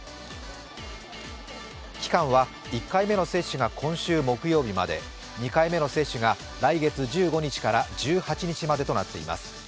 期間は１回目の接種が今週木曜日まで２回目の接種が来月１５日から１８日までとなっています。